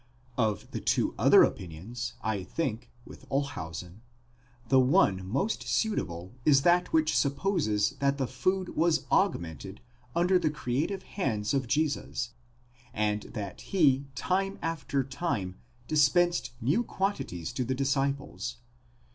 Of the two other opinions I think, with Olshausen, the one most suitable is that which supposes that the food was augmented under the creative hands of Jesus, and that he time after time dispensed new quantities to the disciples.